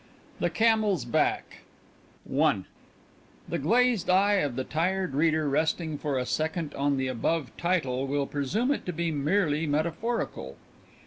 THE CAMEL'S BACK The glazed eye of the tired reader resting for a second on the above title will presume it to be merely metaphorical.